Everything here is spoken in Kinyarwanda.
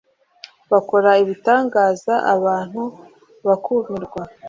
bakora ibitangaza abantu bakumirwa